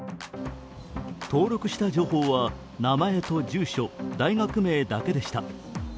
登録した情報は名前と住所大学名だけでした。